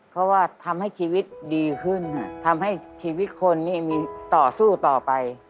เพราะว่าทำให้ชีวิตดีขึ้นทำให้ชีวิตคนนี้มีต่อสู้ต่อไป